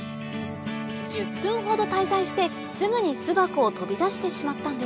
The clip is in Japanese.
１０分ほど滞在してすぐに巣箱を飛び出してしまったんです